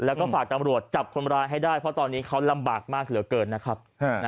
แล้วก็ฝากตำรวจจับคนร้ายให้ได้เพราะตอนนี้เขาลำบากมากเหลือเกินนะครับ